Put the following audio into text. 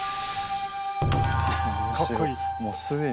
かっこいい。